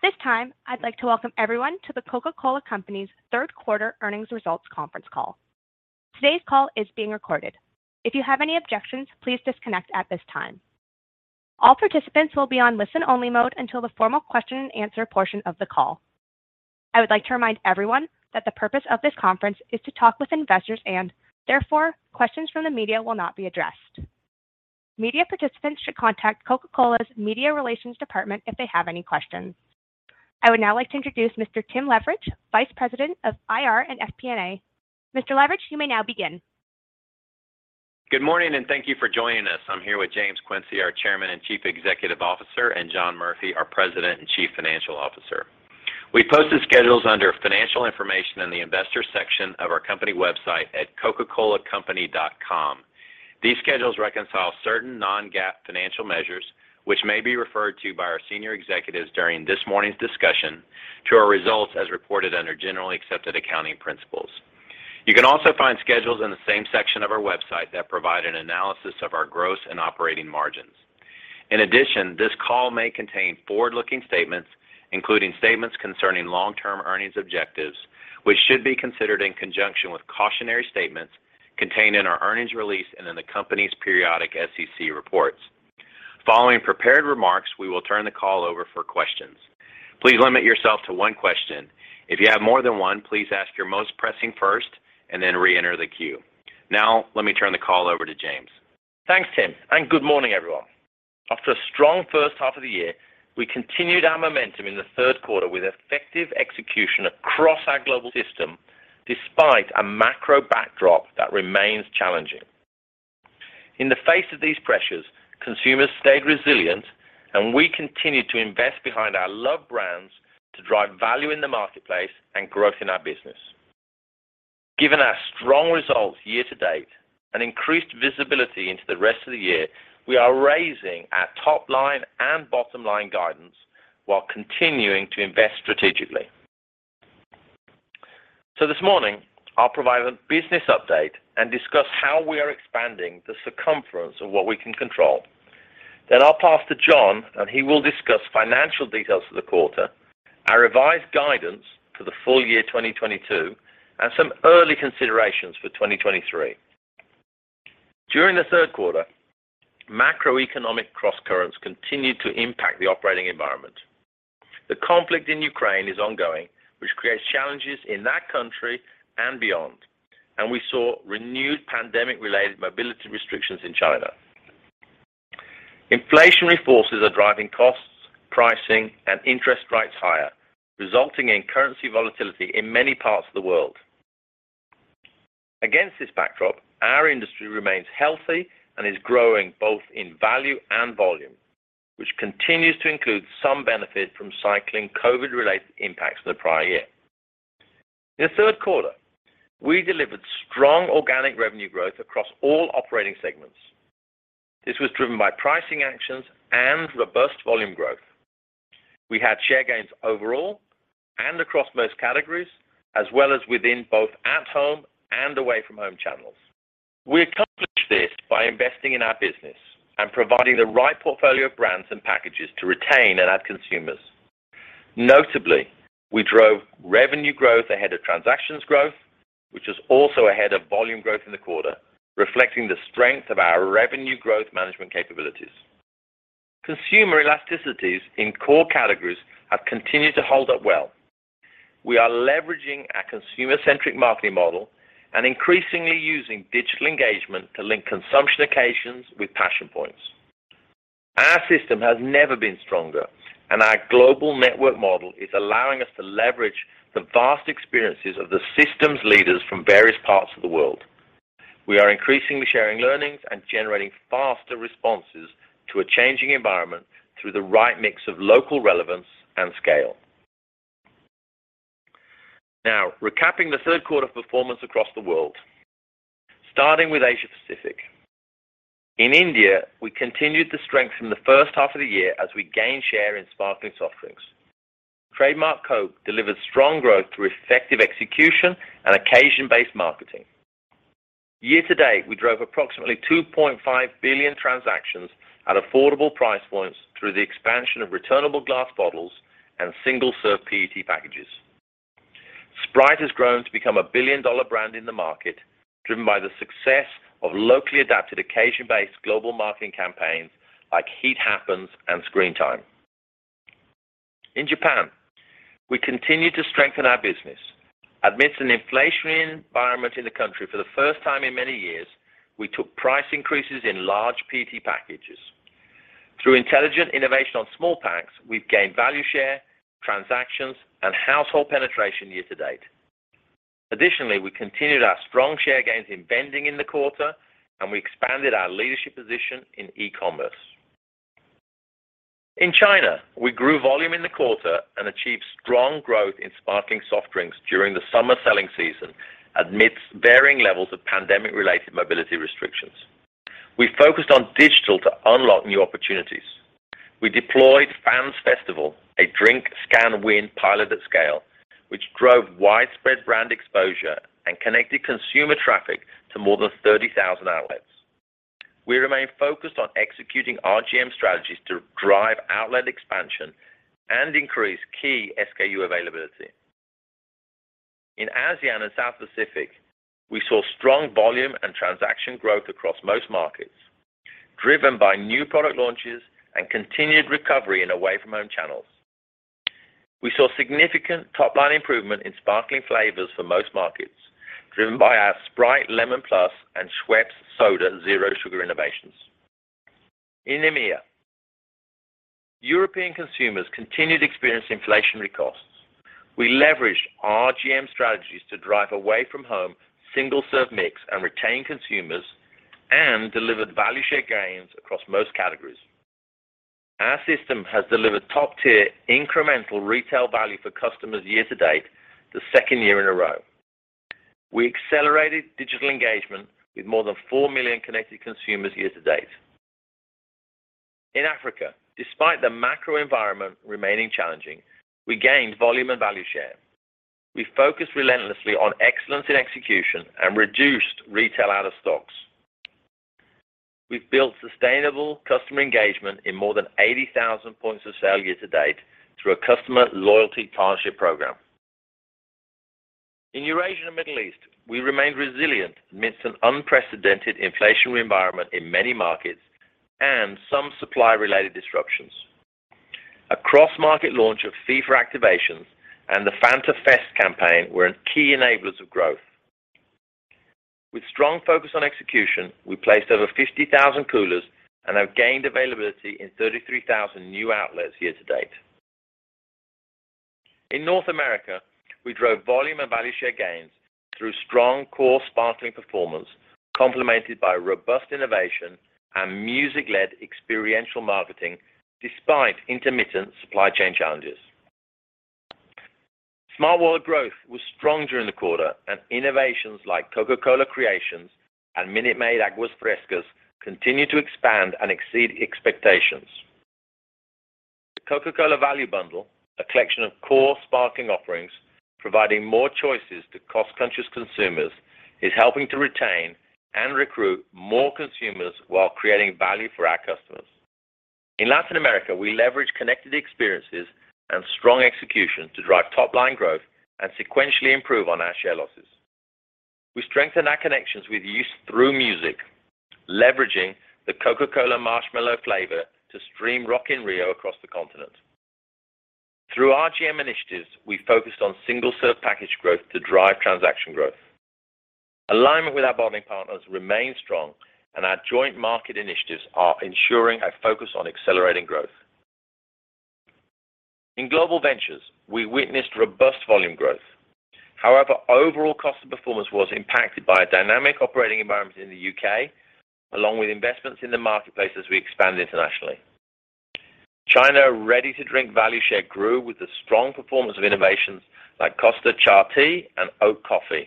At this time, I'd like to welcome everyone to The Coca-Cola Company's third quarter earnings results conference call. Today's call is being recorded. If you have any objections, please disconnect at this time. All participants will be on listen-only mode until the formal question and answer portion of the call. I would like to remind everyone that the purpose of this conference is to talk with investors and therefore, questions from the media will not be addressed. Media participants should contact Coca-Cola's Media Relations Department if they have any questions. I would now like to introduce Mr. Tim Leveridge, Vice President of IR and FP&A. Mr. Leveridge, you may now begin. Good morning, and thank you for joining us. I'm here with James Quincey, our Chairman and Chief Executive Officer, and John Murphy, our President and Chief Financial Officer. We posted schedules under Financial Information in the Investors section of our company website at cocacolacompany.com. These schedules reconcile certain non-GAAP financial measures which may be referred to by our senior executives during this morning's discussion to our results as reported under generally accepted accounting principles. You can also find schedules in the same section of our website that provide an analysis of our gross and operating margins. In addition, this call may contain forward-looking statements, including statements concerning long-term earnings objectives, which should be considered in conjunction with cautionary statements contained in our earnings release and in the company's periodic SEC reports. Following prepared remarks, we will turn the call over for questions. Please limit yourself to one question. If you have more than one, please ask your most pressing first and then reenter the queue. Now let me turn the call over to James. Thanks, Tim, and good morning, everyone. After a strong first half of the year, we continued our momentum in the third quarter with effective execution across our global system despite a macro backdrop that remains challenging. In the face of these pressures, consumers stayed resilient, and we continued to invest behind our loved brands to drive value in the marketplace and growth in our business. Given our strong results year-to-date and increased visibility into the rest of the year, we are raising our top line and bottom line guidance while continuing to invest strategically. This morning, I'll provide a business update and discuss how we are expanding the circumference of what we can control. I'll pass to John, and he will discuss financial details for the quarter, our revised guidance for the full year 2022, and some early considerations for 2023. During the third quarter, macroeconomic crosscurrents continued to impact the operating environment. The conflict in Ukraine is ongoing, which creates challenges in that country and beyond, and we saw renewed pandemic-related mobility restrictions in China. Inflationary forces are driving costs, pricing, and interest rates higher, resulting in currency volatility in many parts of the world. Against this backdrop, our industry remains healthy and is growing both in value and volume, which continues to include some benefit from cycling COVID-related impacts from the prior year. In the third quarter, we delivered strong organic revenue growth across all operating segments. This was driven by pricing actions and robust volume growth. We had share gains overall and across most categories, as well as within both at-home and away-from-home channels. We accomplished this by investing in our business and providing the right portfolio of brands and packages to retain and add consumers. Notably, we drove revenue growth ahead of transactions growth, which was also ahead of volume growth in the quarter, reflecting the strength of our revenue growth management capabilities. Consumer elasticities in core categories have continued to hold up well. We are leveraging our consumer-centric marketing model and increasingly using digital engagement to link consumption occasions with passion points. Our system has never been stronger, and our global network model is allowing us to leverage the vast experiences of the system's leaders from various parts of the world. We are increasingly sharing learnings and generating faster responses to a changing environment through the right mix of local relevance and scale. Now, recapping the third quarter performance across the world, starting with Asia Pacific. In India, we continued the strength from the first half of the year as we gained share in sparkling soft drinks. Trademark Coke delivered strong growth through effective execution and occasion-based marketing. Year to date, we drove approximately 2.5 billion transactions at affordable price points through the expansion of returnable glass bottles and single-serve PET packages. Sprite has grown to become a billion-dollar brand in the market, driven by the success of locally adapted occasion-based global marketing campaigns like Heat Happens and Screen Time. In Japan, we continued to strengthen our business. Amidst an inflationary environment in the country for the first time in many years, we took price increases in large PET packages. Through intelligent innovation on small packs, we've gained value share, transactions, and household penetration year to date. Additionally, we continued our strong share gains in vending in the quarter, and we expanded our leadership position in e-commerce. In China, we grew volume in the quarter and achieved strong growth in sparkling soft drinks during the summer selling season amidst varying levels of pandemic-related mobility restrictions. We focused on digital to unlock new opportunities. We deployed Fans Festival, a drink, scan, win pilot at scale, which drove widespread brand exposure and connected consumer traffic to more than 30,000 outlets. We remain focused on executing our RGM strategies to drive outlet expansion and increase key SKU availability. In ASEAN and South Pacific, we saw strong volume and transaction growth across most markets, driven by new product launches and continued recovery in away-from-home channels. We saw significant top-line improvement in sparkling flavors for most markets, driven by our Sprite Lemon+ and Schweppes Soda Zero Sugar innovations. In EMEA, European consumers continued to experience inflationary costs. We leveraged our RGM strategies to drive away from home single-serve mix and retain consumers and delivered value share gains across most categories. Our system has delivered top-tier incremental retail value for customers year-to-date, the second year in a row. We accelerated digital engagement with more than 4 million connected consumers year-to-date. In Africa, despite the macro environment remaining challenging, we gained volume and value share. We focused relentlessly on excellence in execution and reduced retail out of stocks. We've built sustainable customer engagement in more than 80,000 points of sale year-to-date through a customer loyalty partnership program. In Eurasia and Middle East, we remained resilient amidst an unprecedented inflationary environment in many markets and some supply-related disruptions. A cross-market launch of FIFA activations and the Fanta Fest campaign were key enablers of growth. With strong focus on execution, we placed over 50,000 coolers and have gained availability in 33,000 new outlets year-to-date. In North America, we drove volume and value share gains through strong core sparkling performance complemented by robust innovation and music-led experiential marketing despite intermittent supply chain challenges. Small world growth was strong during the quarter, and innovations like Coca-Cola Creations and Minute Maid Aguas Frescas continue to expand and exceed expectations. The Coca-Cola value bundle, a collection of core sparkling offerings providing more choices to cost-conscious consumers, is helping to retain and recruit more consumers while creating value for our customers. In Latin America, we leverage connected experiences and strong execution to drive top-line growth and sequentially improve on our share losses. We strengthen our connections with youth through music, leveraging the Coca-Cola x Marshmello flavor to stream Rock in Rio across the continent. Through our GM initiatives, we focused on single-serve package growth to drive transaction growth. Alignment with our bottling partners remains strong, and our joint market initiatives are ensuring a focus on accelerating growth. In Global Ventures, we witnessed robust volume growth. However, overall cost and performance was impacted by a dynamic operating environment in the U.K., along with investments in the marketplace as we expand internationally. China ready-to-drink value share grew with the strong performance of innovations like Costa Chai Tea and Oat Coffee.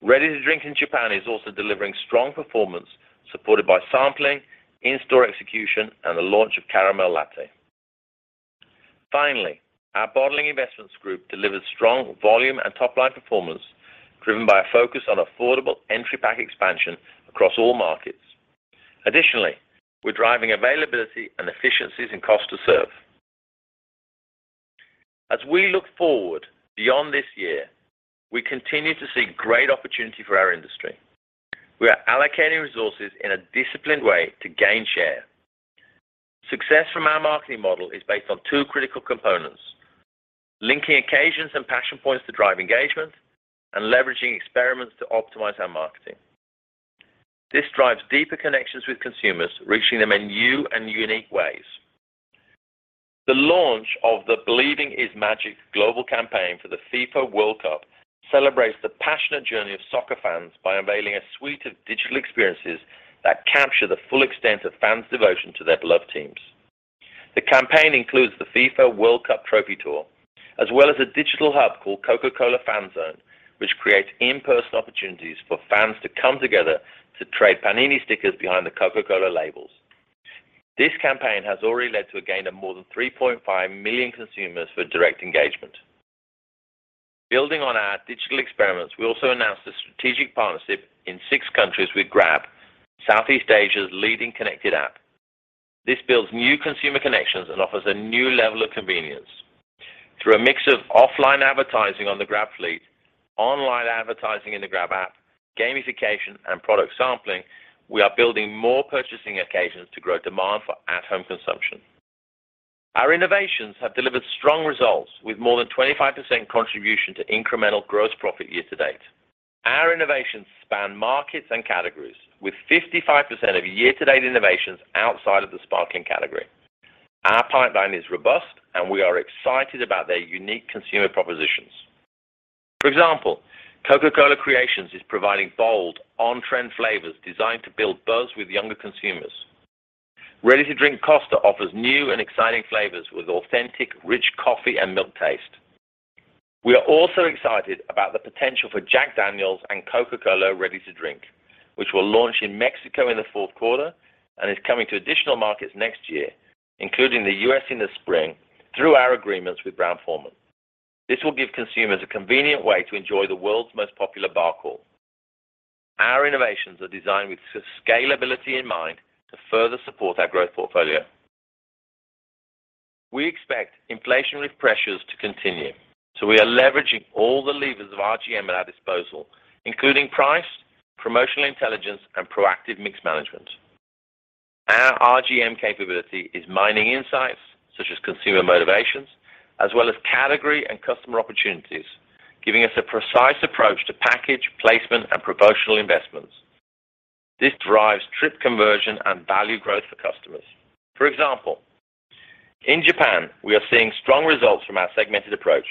Ready-to-drink in Japan is also delivering strong performance, supported by sampling, in-store execution, and the launch of Caramel Latte. Finally, our Bottling Investments Group delivered strong volume and top-line performance, driven by a focus on affordable entry pack expansion across all markets. Additionally, we're driving availability and efficiencies in cost to serve. As we look forward beyond this year, we continue to see great opportunity for our industry. We are allocating resources in a disciplined way to gain share. Success from our marketing model is based on two critical components, linking occasions and passion points to drive engagement and leveraging experiments to optimize our marketing. This drives deeper connections with consumers, reaching them in new and unique ways. The launch of the Believing is Magic global campaign for the FIFA World Cup celebrates the passionate journey of soccer fans by unveiling a suite of digital experiences that capture the full extent of fans' devotion to their beloved teams. The campaign includes the FIFA World Cup Trophy Tour, as well as a digital hub called Coca-Cola Fan Zone, which creates in-person opportunities for fans to come together to trade Panini stickers behind the Coca-Cola labels. This campaign has already led to a gain of more than 3.5 million consumers for direct engagement. Building on our digital experiments, we also announced a strategic partnership in six countries with Grab, Southeast Asia's leading connected app. This builds new consumer connections and offers a new level of convenience. Through a mix of offline advertising on the Grab fleet, online advertising in the Grab app, gamification, and product sampling, we are building more purchasing occasions to grow demand for at-home consumption. Our innovations have delivered strong results with more than 25% contribution to incremental gross profit year-to-date. Our innovations span markets and categories, with 55% of year-to-date innovations outside of the sparkling category. Our pipeline is robust, and we are excited about their unique consumer propositions. For example, Coca-Cola Creations is providing bold, on-trend flavors designed to build buzz with younger consumers. Ready-to-drink Costa offers new and exciting flavors with authentic, rich coffee and milk taste. We are also excited about the potential for Jack Daniel's and Coca-Cola ready-to-drink, which will launch in Mexico in the fourth quarter and is coming to additional markets next year, including the U.S. in the spring, through our agreements with Brown-Forman. This will give consumers a convenient way to enjoy the world's most popular bourbon. Our innovations are designed with scalability in mind to further support our growth portfolio. We expect inflationary pressures to continue, so we are leveraging all the levers of RGM at our disposal, including price, promotional intelligence, and proactive mix management. Our RGM capability is mining insights such as consumer motivations as well as category and customer opportunities, giving us a precise approach to package, placement, and promotional investments. This drives trip conversion and value growth for customers. For example, in Japan, we are seeing strong results from our segmented approach.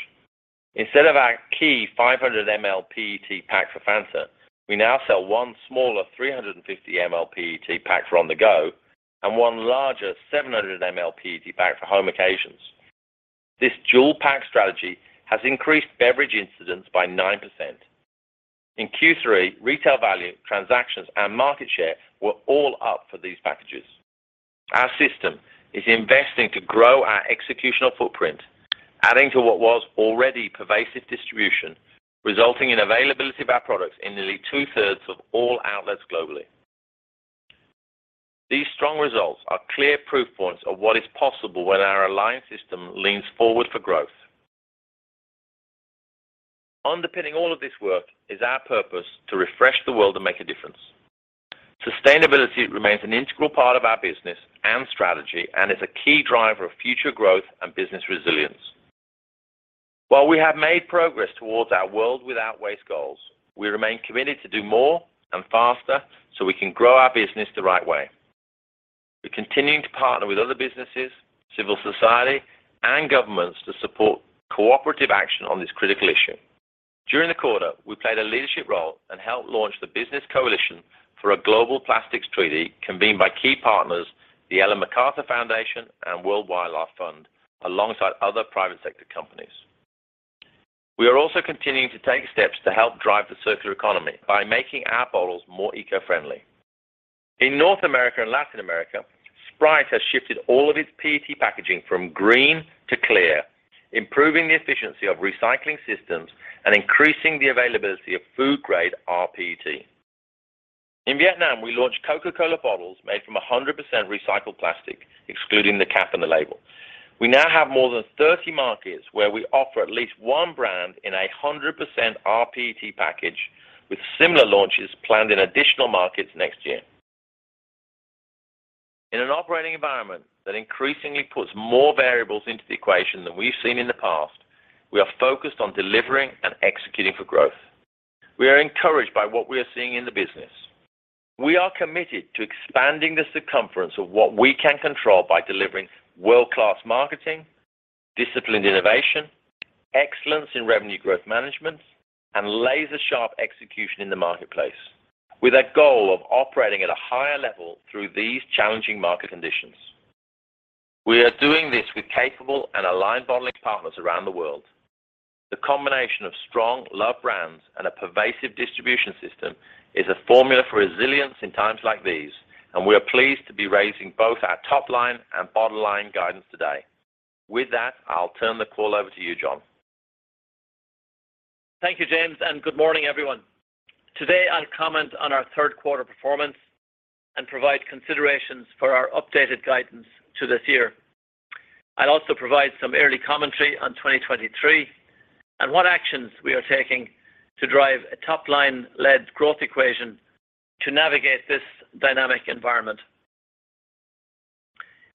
Instead of our key 500 ml PET pack for Fanta, we now sell one smaller 350 ml PET pack for on-the-go and one larger 700 ml PET pack for home occasions. This dual-pack strategy has increased beverage incidents by 9%. In Q3, retail value, transactions, and market share were all up for these packages. Our system is investing to grow our executional footprint, adding to what was already pervasive distribution, resulting in availability of our products in nearly two-thirds of all outlets globally. These strong results are clear proof points of what is possible when our alliance system leans forward for growth. Underpinning all of this work is our purpose to refresh the world and make a difference. Sustainability remains an integral part of our business and strategy and is a key driver of future growth and business resilience. While we have made progress towards our world without waste goals, we remain committed to do more and faster so we can grow our business the right way. We're continuing to partner with other businesses, civil society, and governments to support cooperative action on this critical issue. During the quarter, we played a leadership role and helped launch the Business Coalition for a Global Plastics Treaty convened by key partners, the Ellen MacArthur Foundation, and World Wildlife Fund, alongside other private sector companies. We are also continuing to take steps to help drive the circular economy by making our bottles more eco-friendly. In North America and Latin America, Sprite has shifted all of its PET packaging from green to clear, improving the efficiency of recycling systems and increasing the availability of food-grade rPET. In Vietnam, we launched Coca-Cola bottles made from 100% recycled plastic, excluding the cap and the label. We now have more than 30 markets where we offer at least one brand in a 100% rPET package with similar launches planned in additional markets next year. In an operating environment that increasingly puts more variables into the equation than we've seen in the past, we are focused on delivering and executing for growth. We are encouraged by what we are seeing in the business. We are committed to expanding the circumference of what we can control by delivering world-class marketing, disciplined innovation, excellence in revenue growth management, and laser-sharp execution in the marketplace with a goal of operating at a higher level through these challenging market conditions. We are doing this with capable and aligned bottling partners around the world. The combination of strong loved brands and a pervasive distribution system is a formula for resilience in times like these, and we are pleased to be raising both our top line and bottom line guidance today. With that, I'll turn the call over to you, John. Thank you, James, and good morning, everyone. Today, I'll comment on our third quarter performance and provide considerations for our updated guidance to this year. I'll also provide some early commentary on 2023 and what actions we are taking to drive a top-line-led growth equation to navigate this dynamic environment.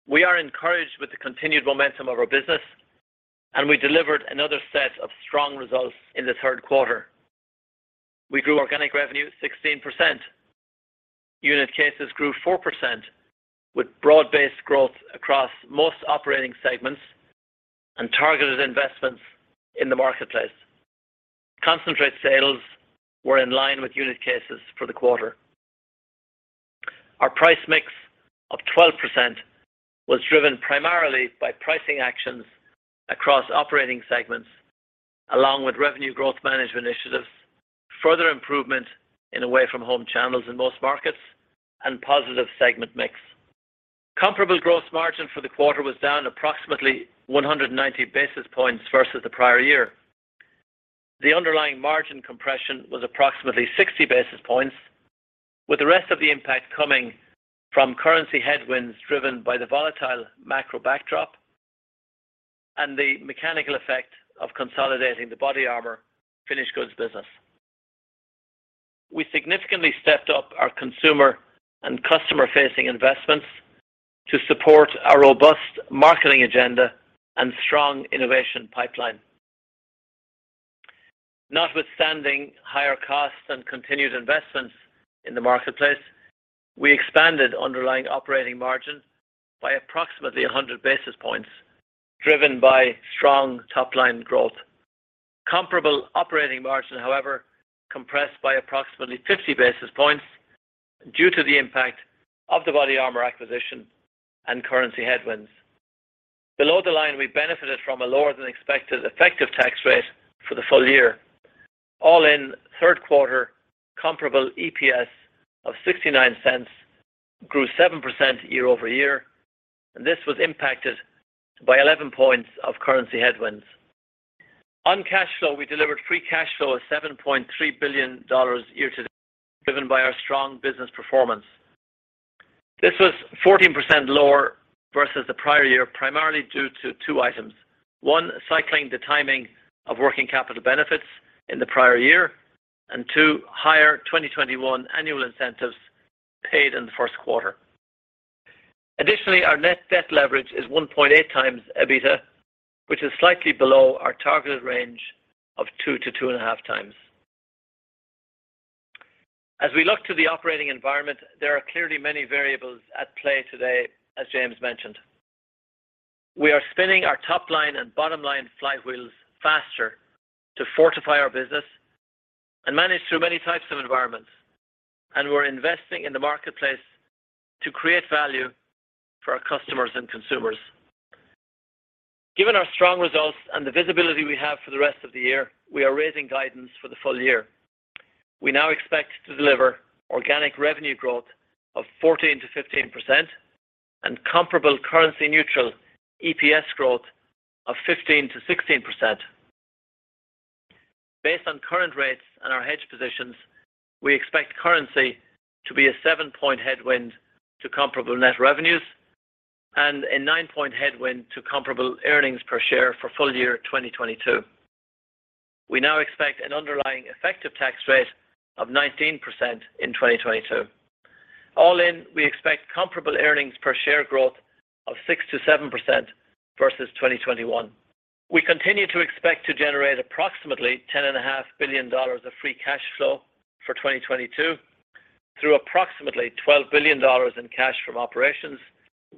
We are encouraged with the continued momentum of our business, and we delivered another set of strong results in the third quarter. We grew organic revenue 16%. Unit cases grew 4% with broad-based growth across most operating segments and targeted investments in the marketplace. Concentrate sales were in line with unit cases for the quarter. Our price mix of 12% was driven primarily by pricing actions across operating segments, along with revenue growth management initiatives, further improvement in away-from-home channels in most markets, and positive segment mix. Comparable gross margin for the quarter was down approximately 190 basis points versus the prior year. The underlying margin compression was approximately 60 basis points, with the rest of the impact coming from currency headwinds driven by the volatile macro backdrop and the mechanical effect of consolidating the BODYARMOR finished goods business. We significantly stepped up our consumer and customer-facing investments to support our robust marketing agenda and strong innovation pipeline. Notwithstanding higher costs and continued investments in the marketplace, we expanded underlying operating margin by approximately 100 basis points, driven by strong top-line growth. Comparable operating margin, however, compressed by approximately 50 basis points due to the impact of the BODYARMOR acquisition and currency headwinds. Below the line, we benefited from a lower-than-expected effective tax rate for the full year. All in third quarter comparable EPS of $0.69 grew 7% year-over-year, and this was impacted by 11 points of currency headwinds. On cash flow, we delivered free cash flow of $7.3 billion year to date, driven by our strong business performance. This was 14% lower versus the prior year, primarily due to two items. One, cycling the timing of working capital benefits in the prior year, and two, higher 2021 annual incentives paid in the first quarter. Additionally, our net debt leverage is 1.8x EBITDA, which is slightly below our targeted range of 2x-2.5x. As we look to the operating environment, there are clearly many variables at play today, as James mentioned. We are spinning our top-line and bottom-line flight wheels faster to fortify our business and manage through many types of environments. We're investing in the marketplace to create value for our customers and consumers. Given our strong results and the visibility we have for the rest of the year, we are raising guidance for the full year. We now expect to deliver organic revenue growth of 14%-15% and comparable currency neutral EPS growth of 15%-16%. Based on current rates and our hedge positions, we expect currency to be a 7-point headwind to comparable net revenues and a 9-point headwind to comparable earnings per share for full year 2022. We now expect an underlying effective tax rate of 19% in 2022. All in, we expect comparable earnings per share growth of 6%-7% versus 2021. We continue to expect to generate approximately $10.5 billion of free cash flow for 2022 through approximately $12 billion in cash from operations,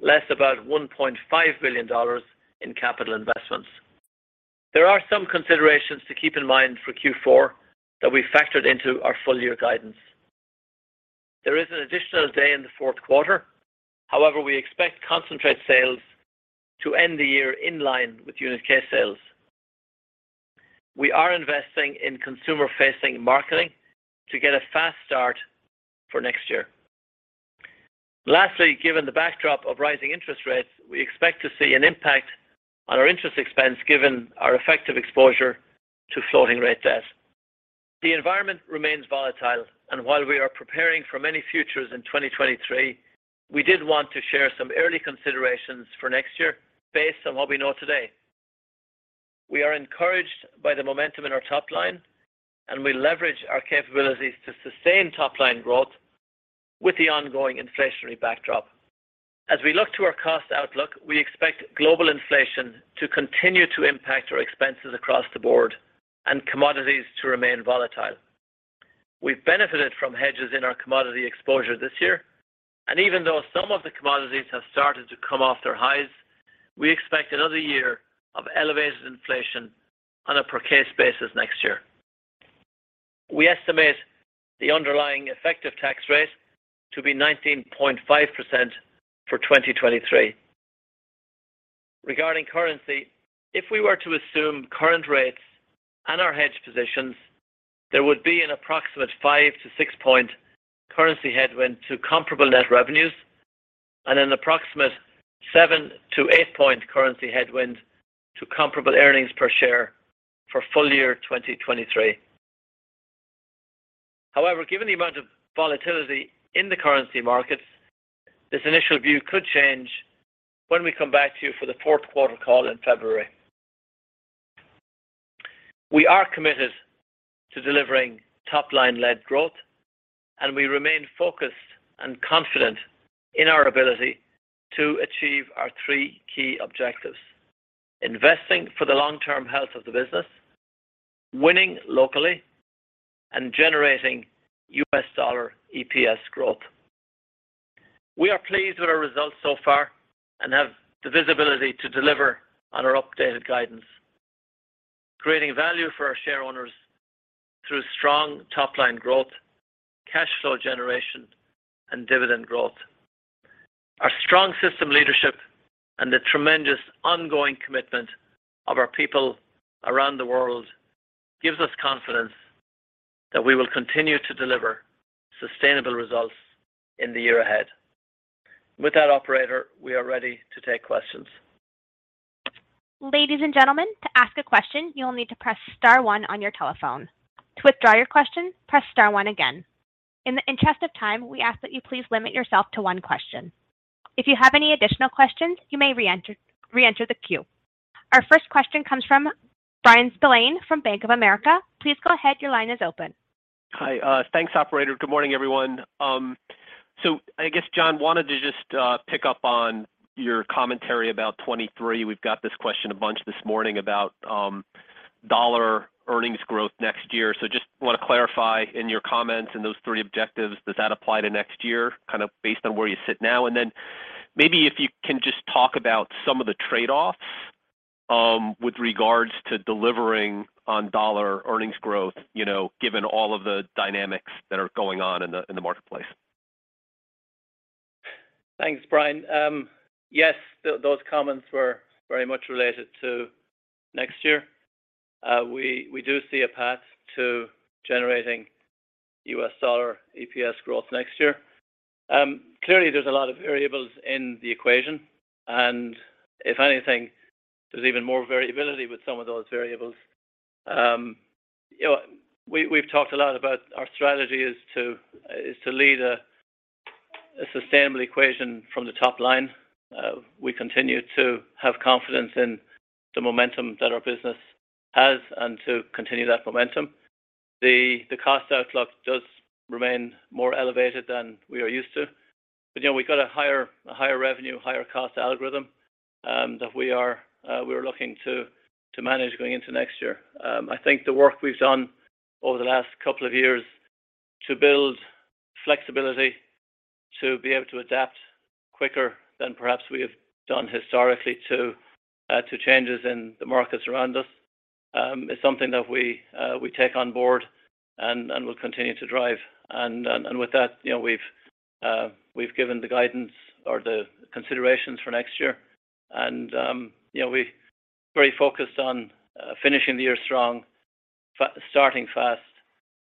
less about $1.5 billion in capital investments. There are some considerations to keep in mind for Q4 that we factored into our full year guidance. There is an additional day in the fourth quarter. However, we expect concentrate sales to end the year in line with unit case sales. We are investing in consumer-facing marketing to get a fast start for next year. Lastly, given the backdrop of rising interest rates, we expect to see an impact on our interest expense given our effective exposure to floating rate debt. The environment remains volatile, while we are preparing for many futures in 2023, we did want to share some early considerations for next year based on what we know today. We are encouraged by the momentum in our top line, and we leverage our capabilities to sustain top-line growth with the ongoing inflationary backdrop. As we look to our cost outlook, we expect global inflation to continue to impact our expenses across the board and commodities to remain volatile. We've benefited from hedges in our commodity exposure this year, and even though some of the commodities have started to come off their highs, we expect another year of elevated inflation on a per case basis next year. We estimate the underlying effective tax rate to be 19.5% for 2023. Regarding currency, if we were to assume current rates and our hedge positions, there would be an approximate 5-6-point currency headwind to comparable net revenues and an approximate 7-8-point currency headwind to comparable earnings per share for full year 2023. However, given the amount of volatility in the currency markets, this initial view could change when we come back to you for the fourth quarter call in February. We are committed to delivering top-line-led growth, and we remain focused and confident in our ability to achieve our three key objectives, investing for the long-term health of the business, winning locally, and generating U.S. dollar EPS growth. We are pleased with our results so far and have the visibility to deliver on our updated guidance, creating value for our shareowners through strong top-line growth, cash flow generation, and dividend growth. Our strong system leadership and the tremendous ongoing commitment of our people around the world gives us confidence that we will continue to deliver sustainable results in the year ahead. With that, operator, we are ready to take questions. Ladies and gentlemen, to ask a question, you'll need to press star one on your telephone. To withdraw your question, press star one again. In the interest of time, we ask that you please limit yourself to one question. If you have any additional questions, you may re-enter the queue. Our first question comes from Bryan Spillane from Bank of America. Please go ahead. Your line is open. Hi. Thanks, operator. Good morning, everyone. I guess, John, wanted to just pick up on your commentary about 2023. We've got this question a bunch this morning about dollar earnings growth next year. Just want to clarify in your comments in those three objectives, does that apply to next year, kind of based on where you sit now? And then maybe if you can just talk about some of the trade-offs with regards to delivering on dollar earnings growth, you know, given all of the dynamics that are going on in the marketplace? Thanks, Bryan. Yes, those comments were very much related to next year. We do see a path to generating U.S. dollar EPS growth next year. Clearly there's a lot of variables in the equation, and if anything, there's even more variability with some of those variables. You know, we've talked a lot about our strategy is to lead a sustainable equation from the top line. We continue to have confidence in the momentum that our business has and to continue that momentum. The cost outlook does remain more elevated than we are used to. You know, we've got a higher revenue, higher cost algorithm that we are looking to manage going into next year. I think the work we've done over the last couple of years to build flexibility to be able to adapt quicker than perhaps we have done historically to changes in the markets around us is something that we take on board and, with that, you know, we've given the guidance or the considerations for next year and, you know, we're very focused on finishing the year strong, starting fast,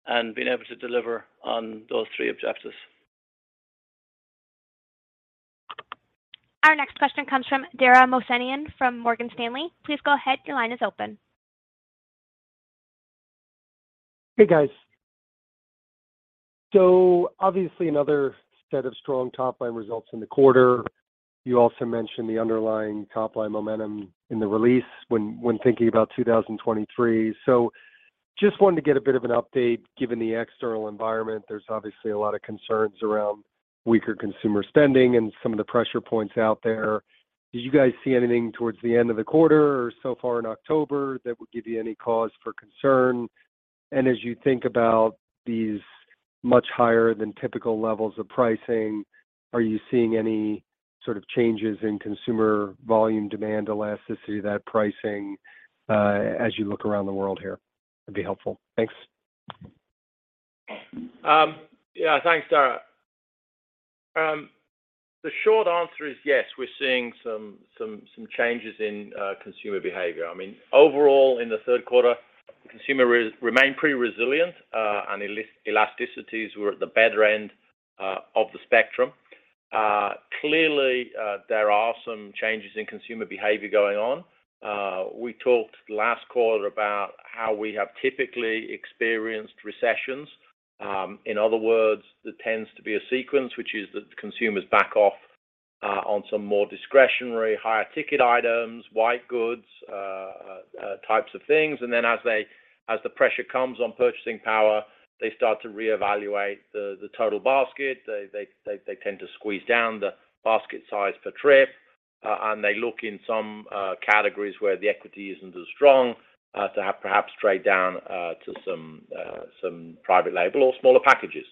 and being able to deliver on those three objectives. Our next question comes from Dara Mohsenian from Morgan Stanley. Please go ahead. Your line is open. Hey, guys. Obviously another set of strong top-line results in the quarter. You also mentioned the underlying top-line momentum in the release when thinking about 2023. Just wanted to get a bit of an update given the external environment. There's obviously a lot of concerns around weaker consumer spending and some of the pressure points out there. Did you guys see anything towards the end of the quarter or so far in October that would give you any cause for concern? And as you think about these much higher than typical levels of pricing, are you seeing any sort of changes in consumer volume demand elasticity, that pricing, as you look around the world here? That'd be helpful. Thanks. Yeah. Thanks, Dara. The short answer is yes, we're seeing some changes in consumer behavior. I mean, overall in the third quarter, consumer remained pretty resilient, and elasticities were at the better end of the spectrum. Clearly, there are some changes in consumer behavior going on. We talked last quarter about how we have typically experienced recessions. In other words, there tends to be a sequence, which is that consumers back off on some more discretionary higher ticket items, white goods, types of things. Then as the pressure comes on purchasing power, they start to reevaluate the total basket. They tend to squeeze down the basket size per trip, and they look in some categories where the equity isn't as strong to have perhaps trade down to some private label or smaller packages.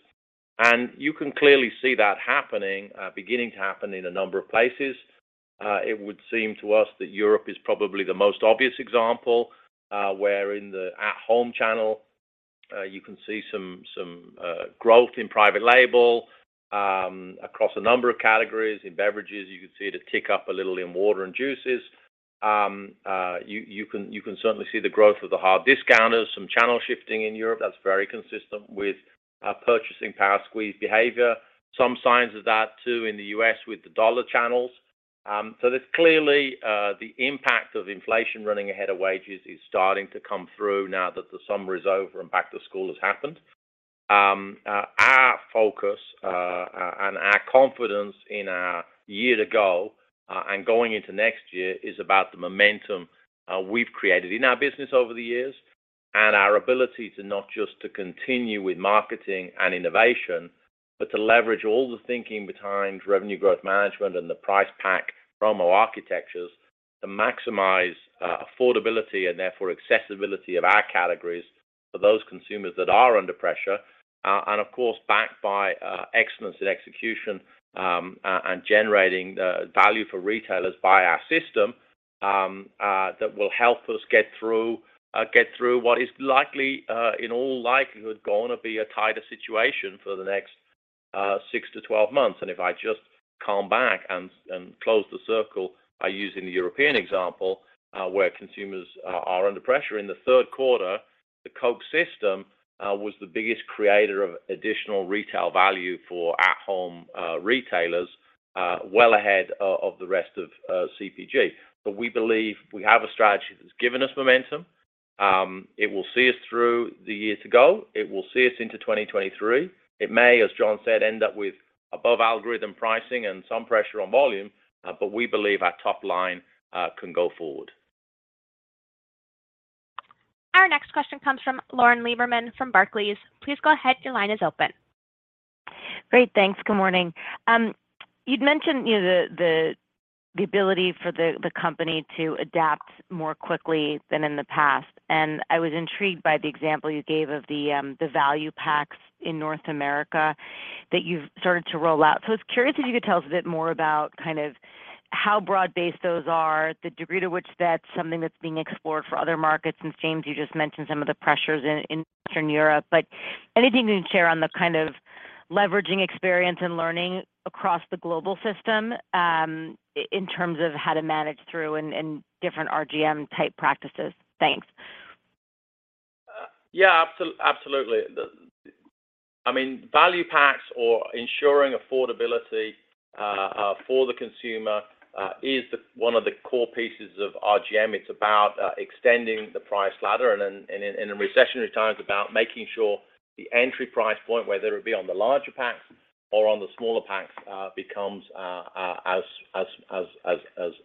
You can clearly see that happening, beginning to happen in a number of places. It would seem to us that Europe is probably the most obvious example, where in the at-home channel you can see some growth in private label across a number of categories. In beverages, you can see it tick up a little in water and juices. You can certainly see the growth of the hard discounters, some channel shifting in Europe that's very consistent with purchasing power squeeze behavior. Some signs of that too in the U.S. with the dollar channels. There's clearly the impact of inflation running ahead of wages is starting to come through now that the summer is over and back to school has happened. Our focus and our confidence in our year to go and going into next year is about the momentum we've created in our business over the years and our ability to not just continue with marketing and innovation, but to leverage all the thinking behind revenue growth management and the price pack promo architectures to maximize affordability and therefore accessibility of our categories for those consumers that are under pressure. Of course, backed by excellence in execution, and generating the value for retailers by our system, that will help us get through what is likely, in all likelihood gonna be a tighter situation for the next six-12 months. If I just come back and close the circle by using the European example, where consumers are under pressure. In the third quarter, the Coke system was the biggest creator of additional retail value for at-home retailers, well ahead of the rest of CPG. We believe we have a strategy that's given us momentum. It will see us through the year to go. It will see us into 2023. It may, as John said, end up with above algorithmic pricing and some pressure on volume, but we believe our top line can go forward. Our next question comes from Lauren Lieberman from Barclays. Please go ahead. Your line is open. Great. Thanks. Good morning. You'd mentioned, you know, the ability for the company to adapt more quickly than in the past, and I was intrigued by the example you gave of the value packs in North America that you've started to roll out. I was curious if you could tell us a bit more about kind of how broad-based those are, the degree to which that's something that's being explored for other markets, and James, you just mentioned some of the pressures in Eastern Europe? Anything you can share on the kind of leveraging experience and learning across the global system, in terms of how to manage through and different RGM-type practices? Thanks. Absolutely. I mean, value packs or ensuring affordability for the consumer is one of the core pieces of RGM. It's about extending the price ladder and then in a recessionary time, it's about making sure the entry price point, whether it be on the larger packs or on the smaller packs, becomes as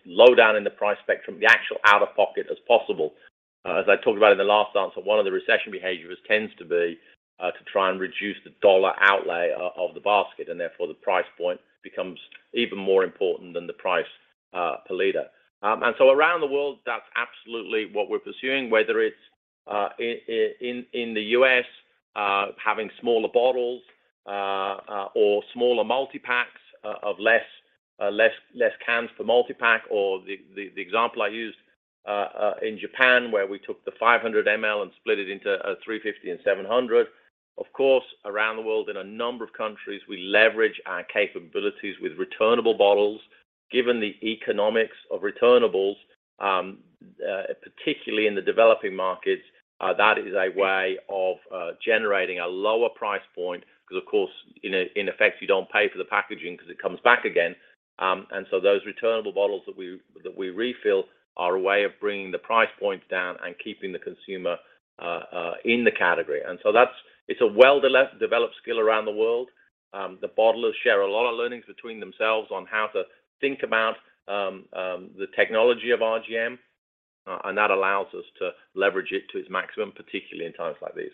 low down in the price spectrum, the actual out-of-pocket as possible. As I talked about in the last answer, one of the recession behaviors tends to be to try and reduce the dollar outlay of the basket, and therefore, the price point becomes even more important than the price per liter. Around the world, that's absolutely what we're pursuing, whether it's in the U.S., having smaller bottles, or smaller multi-packs of less cans for multi-pack or the example I used in Japan, where we took the 500 ml and split it into a 350 ml and 700 ml. Of course, around the world in a number of countries, we leverage our capabilities with returnable bottles. Given the economics of returnables, particularly in the developing markets, that is a way of generating a lower price point because, of course, in effect, you don't pay for the packaging 'cause it comes back again. Those returnable bottles that we refill are a way of bringing the price points down and keeping the consumer in the category. That's a well-developed skill around the world. The bottlers share a lot of learnings between themselves on how to think about the technology of RGM, and that allows us to leverage it to its maximum, particularly in times like these.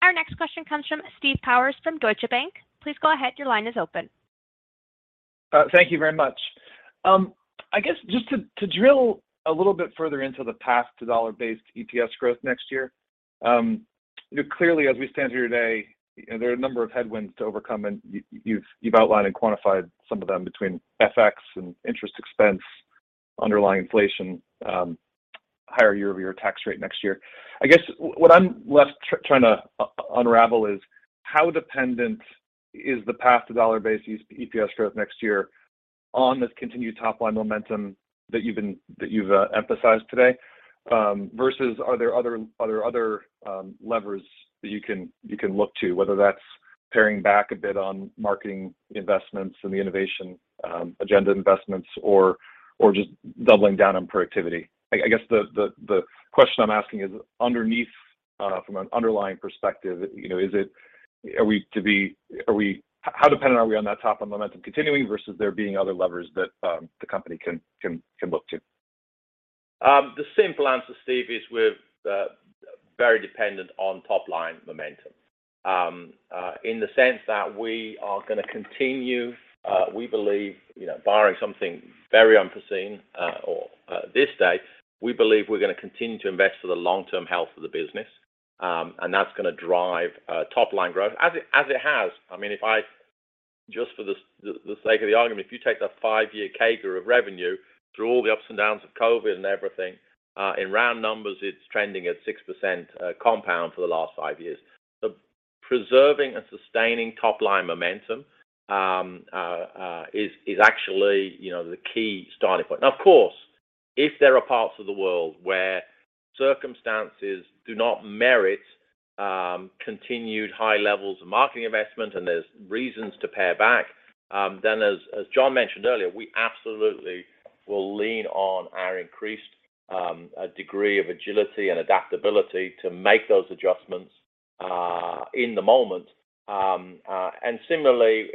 Our next question comes from Steve Powers from Deutsche Bank. Please go ahead. Your line is open. Thank you very much. I guess just to drill a little bit further into the path to dollar-based EPS growth next year, you know, clearly as we stand here today, you know, there are a number of headwinds to overcome, and you've outlined and quantified some of them between FX and interest expense, underlying inflation, higher year-over-year tax rate next year. I guess what I'm left trying to unravel is how dependent is the path to dollar-based EPS growth next year on this continued top-line momentum that you've emphasized today, versus are there other levers that you can look to, whether that's paring back a bit on marketing investments and the innovation agenda investments or just doubling down on productivity? I guess the question I'm asking is, from an underlying perspective, you know, how dependent are we on that top-line momentum continuing versus there being other levers that the company can look to? The simple answer, Steve, is we're very dependent on top-line momentum, in the sense that we believe, you know, barring something very unforeseen today, we're gonna continue to invest for the long-term health of the business, and that's gonna drive top-line growth as it has. I mean, just for the sake of the argument, if you take the five-year CAGR of revenue through all the ups and downs of COVID and everything, in round numbers, it's trending at 6%, compound for the last five years. Preserving and sustaining top-line momentum is actually, you know, the key starting point. Now, of course, if there are parts of the world where circumstances do not merit continued high levels of marketing investment and there's reasons to pare back, then, as John mentioned earlier, we absolutely will lean on our increased degree of agility and adaptability to make those adjustments in the moment, and similarly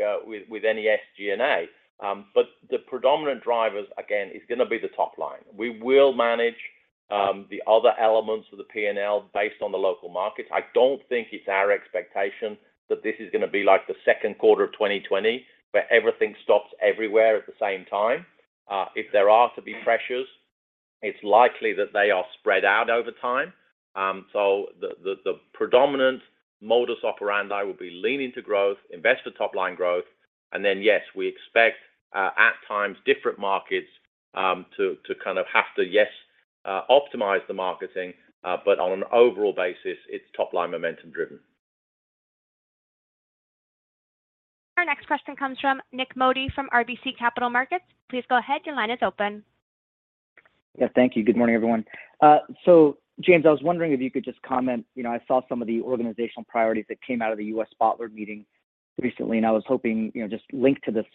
with any SG&A. The predominant drivers, again, is gonna be the top line. We will manage the other elements of the P&L based on the local markets. I don't think it's our expectation that this is gonna be like the second quarter of 2020, where everything stops everywhere at the same time. If there are to be pressures, it's likely that they are spread out over time. The predominant modus operandi will be leaning to growth, invest for top-line growth, and then, yes, we expect, at times different markets, to kind of have to, yes, optimize the marketing, but on an overall basis, it's top-line momentum driven. Our next question comes from Nik Modi from RBC Capital Markets. Please go ahead. Your line is open. Yeah, thank you. Good morning, everyone. James, I was wondering if you could just comment. You know, I saw some of the organizational priorities that came out of the U.S. bottler meeting recently, and I was hoping, you know, just linked to this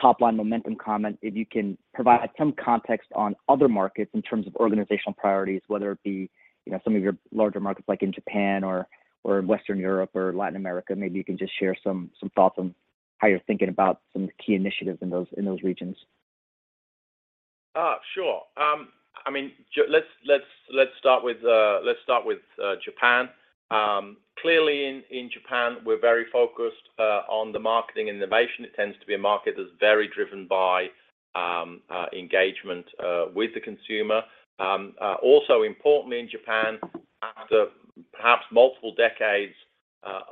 top-line momentum comment, if you can provide some context on other markets in terms of organizational priorities, whether it be, you know, some of your larger markets like in Japan or Western Europe or Latin America? Maybe you can just share some thoughts on how you're thinking about some key initiatives in those regions? Sure. I mean, let's start with Japan. Clearly in Japan, we're very focused on the marketing innovation. It tends to be a market that's very driven by engagement with the consumer. Also importantly in Japan, after perhaps multiple decades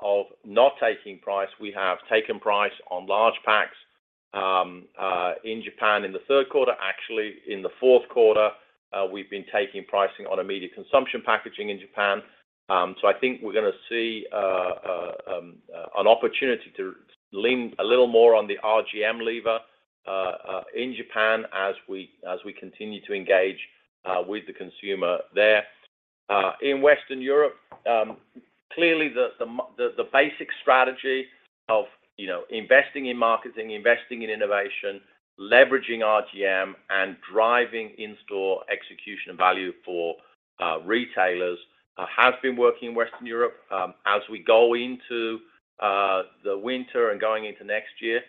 of not taking price, we have taken price on large packs in Japan in the third quarter. Actually, in the fourth quarter, we've been taking pricing on immediate consumption packaging in Japan. So I think we're gonna see an opportunity to lean a little more on the RGM lever in Japan as we continue to engage with the consumer there. In Western Europe, clearly the basic strategy of, you know, investing in marketing, investing in innovation, leveraging RGM, and driving in-store execution and value for retailers has been working in Western Europe. As we go into the winter and going into next year,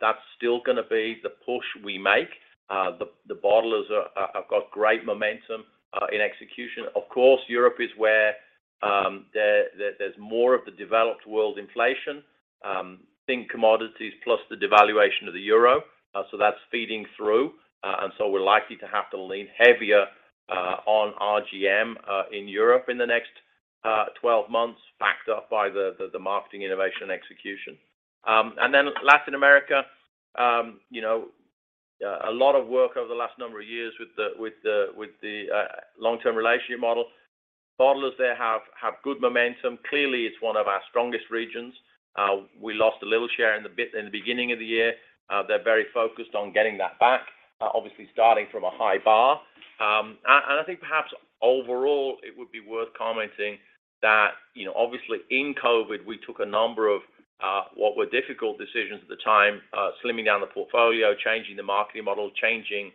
that's still gonna be the push we make. The bottlers have got great momentum in execution. Of course, Europe is where there's more of the developed world inflation, think commodities plus the devaluation of the euro. That's feeding through, and we're likely to have to lean heavier on RGM in Europe in the next twelve months, backed up by the marketing innovation and execution. Latin America, you know, a lot of work over the last number of years with the long-term relationship model. Bottlers there have good momentum. Clearly, it's one of our strongest regions. We lost a little share in the beginning of the year. They're very focused on getting that back, obviously starting from a high bar. I think perhaps overall it would be worth commenting that, you know, obviously in COVID, we took a number of what were difficult decisions at the time, slimming down the portfolio, changing the marketing model, changing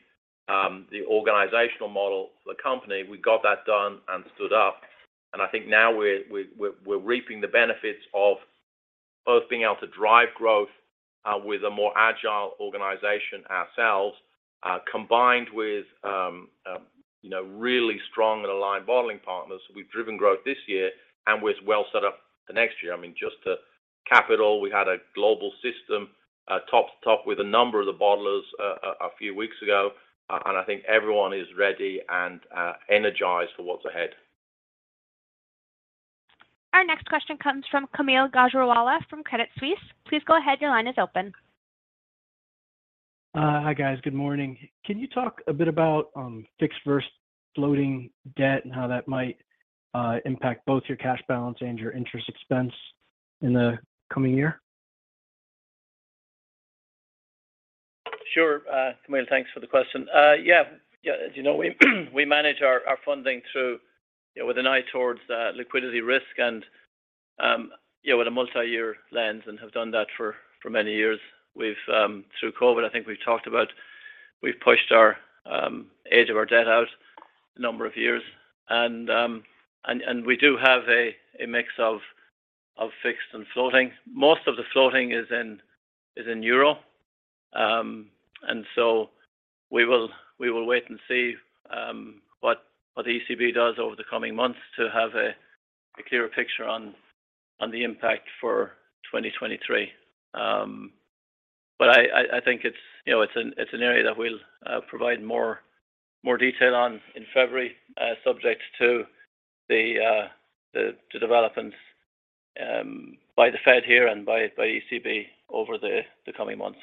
the organizational model for the company. We got that done and stood up. I think now we're reaping the benefits of both being able to drive growth with a more agile organization ourselves, combined with you know, really strong and aligned bottling partners. We've driven growth this year and we're well set up for next year. I mean, just to cap it all, we had a global system top to top with a number of the bottlers a few weeks ago, and I think everyone is ready and energized for what's ahead. Our next question comes from Kaumil Gajrawala from Credit Suisse. Please go ahead, your line is open. Hi, guys. Good morning. Can you talk a bit about fixed versus floating debt and how that might impact both your cash balance and your interest expense in the coming year? Sure. Kaumil, thanks for the question. As you know, we manage our funding through, you know, with an eye towards liquidity risk and, you know, with a multi-year lens and have done that for many years. We've through COVID, I think we've talked about, we've pushed our age of our debt out a number of years. We have a mix of fixed and floating. Most of the floating is in euro. We will wait and see what the ECB does over the coming months to have a clearer picture on the impact for 2023. I think it's, you know, it's an area that we'll provide more detail on in February, subject to the developments by the Fed here and by ECB over the coming months.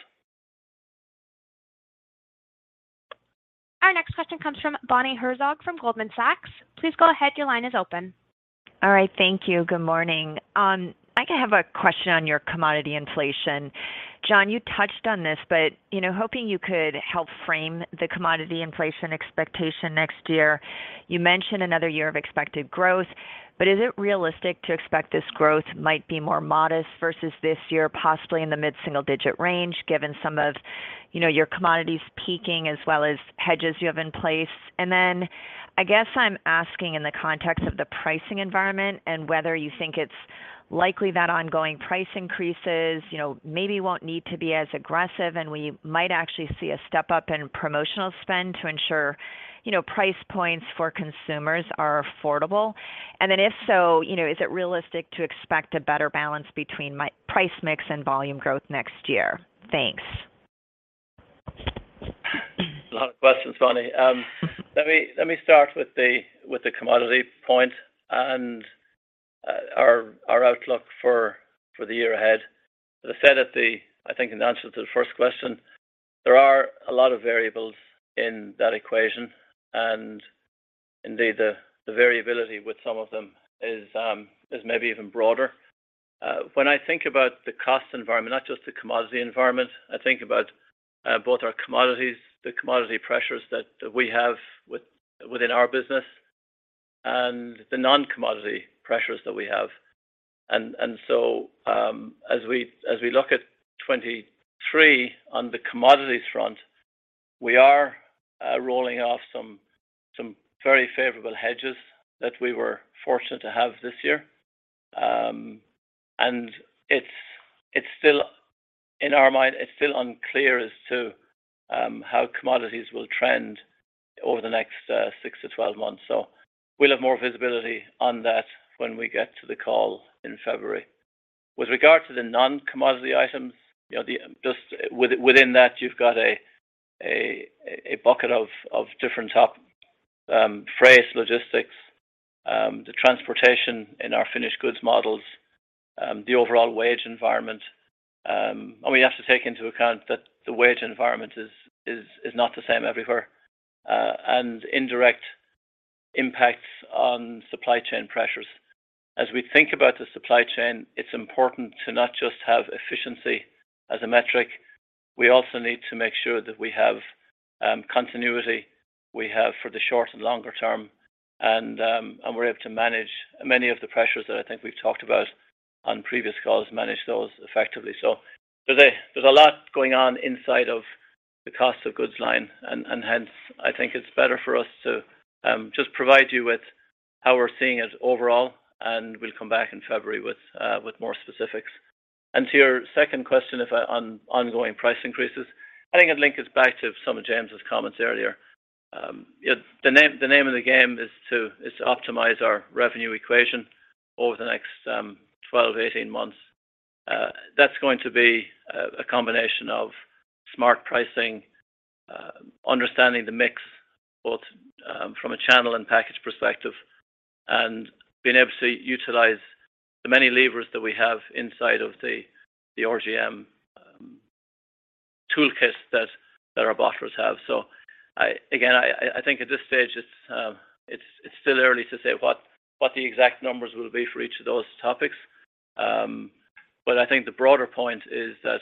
Our next question comes from Bonnie Herzog from Goldman Sachs. Please go ahead, your line is open. All right, thank you. Good morning. I have a question on your commodity inflation. John, you touched on this, but, you know, hoping you could help frame the commodity inflation expectation next year? You mentioned another year of expected growth, but is it realistic to expect this growth might be more modest versus this year, possibly in the mid-single digit range, given some of, you know, your commodities peaking as well as hedges you have in place? I guess I'm asking in the context of the pricing environment and whether you think it's likely that ongoing price increases, you know, maybe won't need to be as aggressive and we might actually see a step up in promotional spend to ensure, you know, price points for consumers are affordable. If so, you know, is it realistic to expect a better balance between price mix and volume growth next year? Thanks. A lot of questions, Bonnie. Let me start with the commodity point and our outlook for the year ahead. As I said, I think in answer to the first question, there are a lot of variables in that equation. Indeed, the variability with some of them is maybe even broader. When I think about the cost environment, not just the commodity environment, I think about both our commodities, the commodity pressures that we have within our business and the non-commodity pressures that we have. So, as we look at 2023 on the commodities front, we are rolling off some very favorable hedges that we were fortunate to have this year. It's still unclear as to how commodities will trend over the next 6-12 months. We'll have more visibility on that when we get to the call in February. With regard to the non-commodity items, just within that, you've got a bucket of different topics, freight, logistics, the transportation in our finished goods models, the overall wage environment. We have to take into account that the wage environment is not the same everywhere, and indirect impacts on supply chain pressures. As we think about the supply chain, it's important to not just have efficiency as a metric. We also need to make sure that we have continuity for the short and longer term, and we're able to manage many of the pressures that I think we've talked about on previous calls, manage those effectively. So there's a lot going on inside of the cost of goods line, and hence, I think it's better for us to just provide you with how we're seeing it overall, and we'll come back in February with more specifics. To your second question, on ongoing price increases, I think it links us back to some of James' comments earlier. You know, the name of the game is to optimize our revenue equation over the next 12-18 months. That's going to be a combination of smart pricing, understanding the mix, both from a channel and package perspective, and being able to utilize the many levers that we have inside of the RGM toolkit that our bottlers have. I think at this stage it's still early to say what the exact numbers will be for each of those topics. I think the broader point is that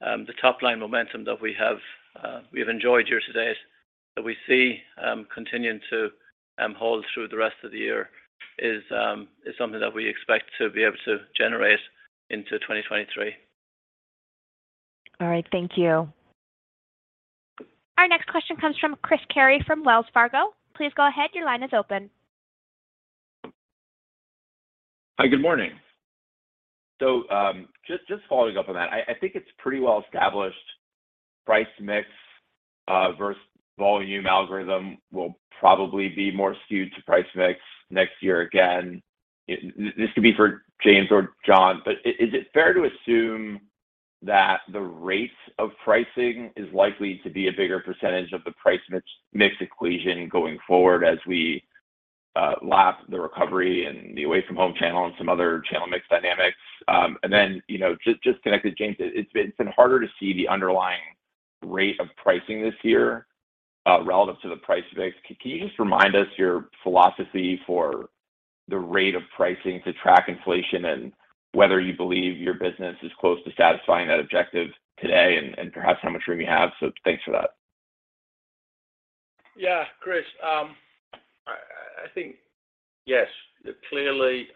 the top-line momentum that we have enjoyed here today, that we see continuing to hold through the rest of the year is something that we expect to be able to generate into 2023. All right. Thank you. Our next question comes from Chris Carey from Wells Fargo. Please go ahead. Your line is open. Hi, good morning. Following up on that. I think it's pretty well established price mix versus volume algorithm will probably be more skewed to price mix next year again. This could be for James or John, but is it fair to assume that the rate of pricing is likely to be a bigger percentage of the price mix equation going forward as we lap the recovery and the away-from-home channel and some other channel mix dynamics? You know, just connected, James, it's been harder to see the underlying rate of pricing this year relative to the price mix. Can you just remind us your philosophy for the rate of pricing to track inflation and whether you believe your business is close to satisfying that objective today and perhaps how much room you have? Thanks for that. Yeah, Chris. I think, yes. Clearly,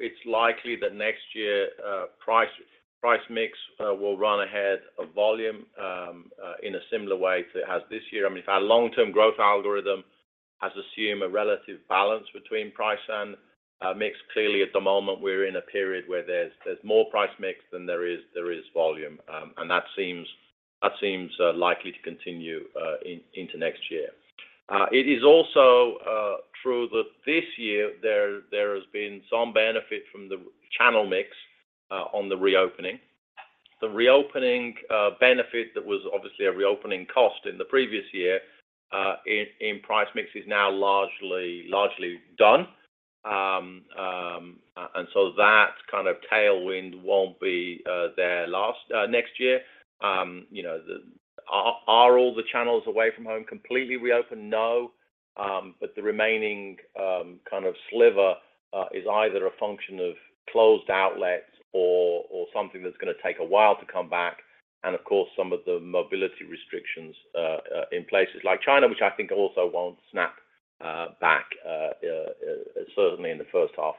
it's likely that next year, price mix will run ahead of volume in a similar way to it has this year. I mean, if our long-term growth algorithm has assumed a relative balance between price and mix, clearly at the moment, we're in a period where there's more price mix than there is volume. That seems likely to continue into next year. It is also true that this year there has been some benefit from the channel mix on the reopening. The reopening benefit that was obviously a reopening cost in the previous year in price mix is now largely done. That kind of tailwind won't be there next year. You know, are all the channels away from home completely reopened? No. The remaining kind of sliver is either a function of closed outlets or something that's gonna take a while to come back and of course, some of the mobility restrictions in places like China, which I think also won't snap back certainly in the first half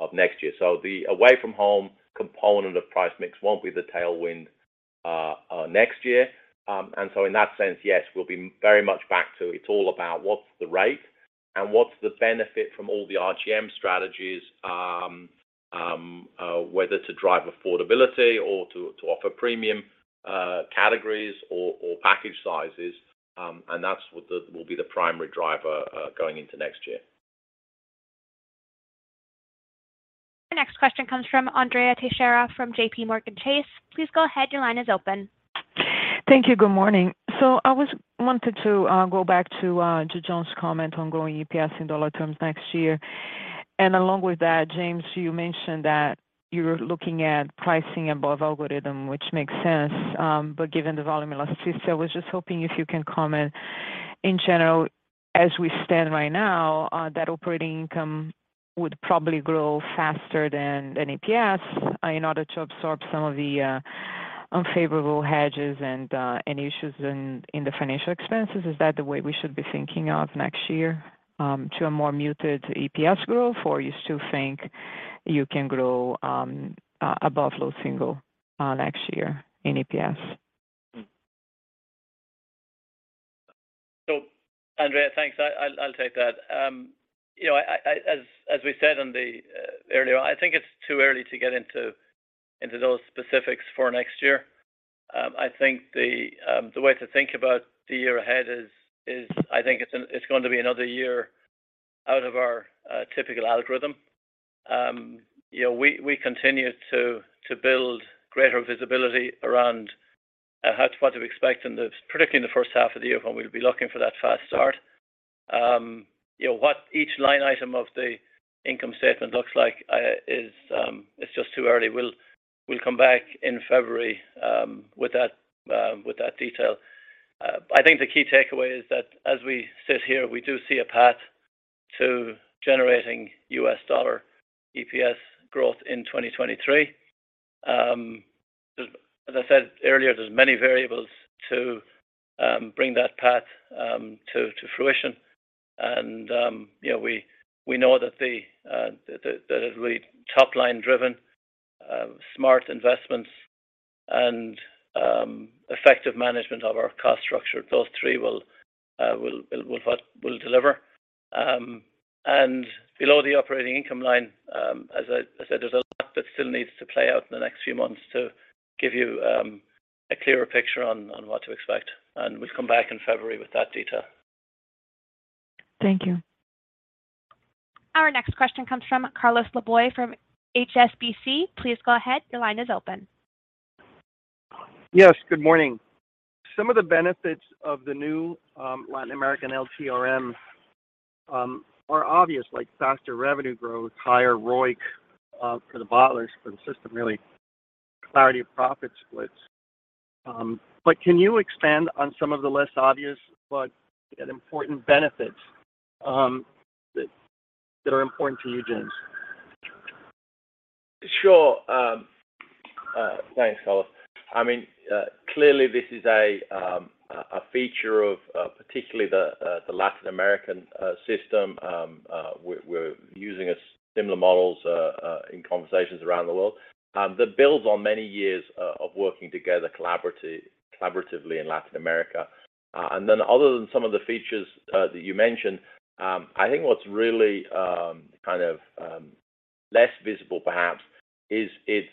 of next year. The away-from-home component of price mix won't be the tailwind next year. In that sense, yes, we'll be very much back to it's all about what's the rate and what's the benefit from all the RGM strategies, whether to drive affordability or to offer premium categories or package sizes. That's what will be the primary driver, going into next year. The next question comes from Andrea Teixeira from JPMorgan Chase. Please go ahead. Your line is open. Thank you. Good morning. I wanted to go back to John's comment on growing EPS in dollar terms next year. Along with that, James, you mentioned that you're looking at pricing above inflation, which makes sense. Given the volume elasticity, I was just hoping if you can comment in general as we stand right now, that operating income would probably grow faster than EPS in order to absorb some of the unfavorable hedges and any issues in the financial expenses. Is that the way we should be thinking of next year, to a more muted EPS growth? Or you still think you can grow above low single next year in EPS? Andrea, thanks. I'll take that. You know, as we said earlier, I think it's too early to get into those specifics for next year. I think the way to think about the year ahead is I think it's going to be another year out of our typical algorithm. You know, we continue to build greater visibility around what to expect particularly in the first half of the year when we'll be looking for that fast start. You know, what each line item of the income statement looks like is just too early. We'll come back in February with that detail. I think the key takeaway is that as we sit here, we do see a path to generating USD EPS growth in 2023. As I said earlier, there are many variables to bring that path to fruition and, you know, we know that it'll be top-line driven, smart investments and effective management of our cost structure. Those three will deliver. Below the operating income line, as I said, there's a lot that still needs to play out in the next few months to give you a clearer picture on what to expect. We'll come back in February with that detail. Thank you. Our next question comes from Carlos Laboy from HSBC. Please go ahead. Your line is open. Yes, good morning. Some of the benefits of the new Latin American LTRM are obvious, like faster revenue growth, higher ROIC for the bottlers, for the system really, clarity of profit splits. Can you expand on some of the less obvious but important benefits that are important to you, James? Sure. Thanks, Carlos. I mean, clearly this is a feature of particularly the Latin American system. We're using similar models in conversations around the world that builds on many years of working together collaboratively in Latin America. Other than some of the features that you mentioned, I think what's really kind of less visible perhaps is its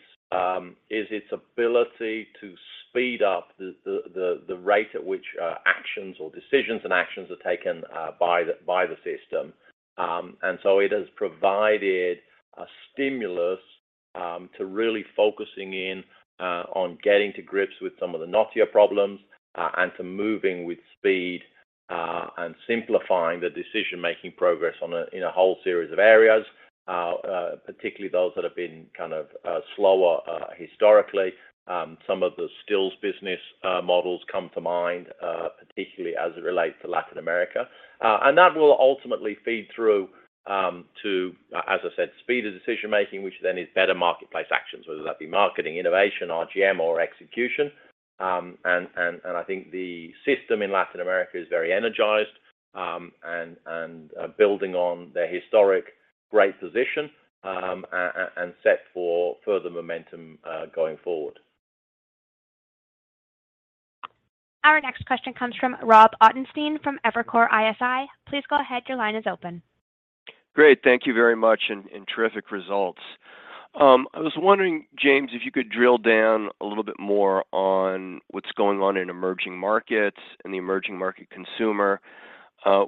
ability to speed up the rate at which actions or decisions and actions are taken by the system. It has provided a stimulus to really focusing in on getting to grips with some of the knottier problems and to moving with speed and simplifying the decision-making process in a whole series of areas, particularly those that have been kind of slower historically. Some of the still business models come to mind, particularly as it relates to Latin America. That will ultimately feed through to, as I said, speed of decision-making, which then is better marketplace actions, whether that be marketing, innovation, RGM or execution. I think the system in Latin America is very energized and building on their historic great position and set for further momentum going forward. Our next question comes from Rob Ottenstein from Evercore ISI. Please go ahead. Your line is open. Great. Thank you very much and terrific results. I was wondering, James, if you could drill down a little bit more on what's going on in emerging markets and the emerging market consumer?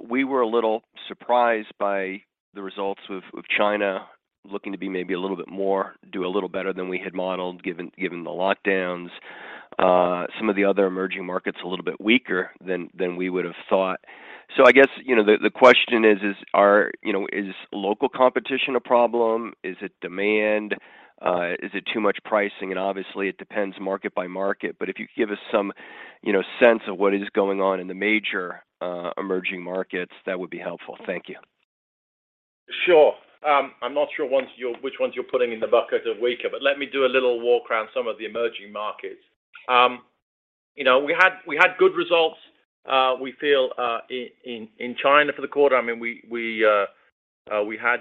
We were a little surprised by the results with China looking to be maybe a little bit more do a little better than we had modeled given the lockdowns. Some of the other emerging markets a little bit weaker than we would have thought. I guess you know the question is you know is local competition a problem? Is it demand? Is it too much pricing? And obviously, it depends market by market. If you could give us some you know sense of what is going on in the major emerging markets, that would be helpful? Thank you. Sure. I'm not sure which ones you're putting in the bucket of weaker, but let me do a little walk around some of the emerging markets. You know, we had good results we feel in China for the quarter. I mean, we had